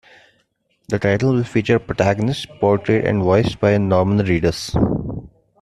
The title will feature a protagonist portrayed and voiced by Norman Reedus.